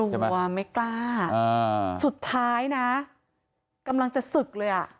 กลัวไม่กล้าสุดท้ายนะกำลังจะศึกเลยอ่ะ